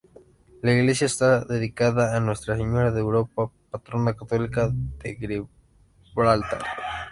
La iglesia está dedicada a Nuestra Señora de Europa, patrona católica de Gibraltar.